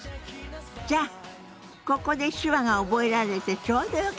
じゃあここで手話が覚えられてちょうどよかったわね。